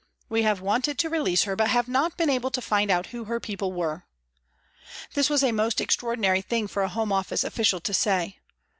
We have wanted to release her, but have not been able to find out who her people were." This was a most extra ordinary thing for a Home Office official to say.